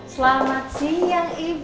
selamat siang ibu